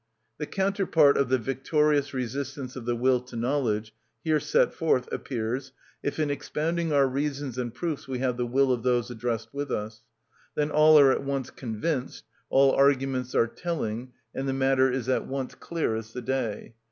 The counterpart of the victorious resistance of the will to knowledge here set forth appears if in expounding our reasons and proofs we have the will of those addressed with us. Then all are at once convinced, all arguments are telling, and the matter is at once clear as the day.